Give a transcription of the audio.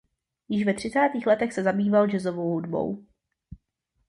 Již ve třicátých letech se zabýval jazzovou hudbou.